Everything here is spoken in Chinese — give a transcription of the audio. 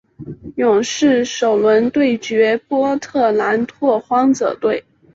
勇士首轮对决波特兰拓荒者队。